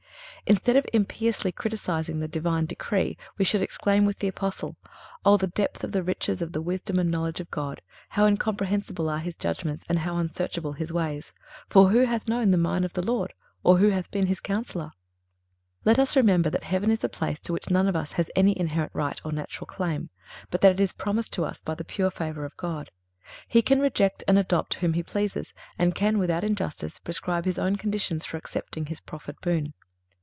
Instead of impiously criticising the Divine decree, we should exclaim with the Apostle: "O! the depth of the riches of the wisdom and knowledge of God! how incomprehensible are His judgments, and how unsearchable His ways! For, who hath known the mind of the Lord? or who hath been His counsellor?"(345) Let us remember that heaven is a place to which none of us has any inherent right or natural claim, but that it is promised to us by the pure favor of God. He can reject and adopt whom He pleases, and can, without injustice, prescribe His own conditions for accepting His proffered boon.